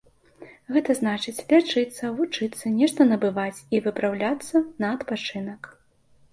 Гэта значыць, лячыцца, вучыцца, нешта набываць і выпраўляцца на адпачынак.